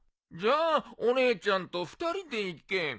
じゃあお姉ちゃんと２人で行け。